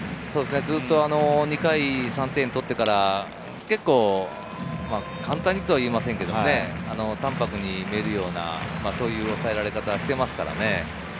ずっと２回３点取ってから、簡単にとは言いませんが、淡泊に見えるような抑えられ方をしていますからね。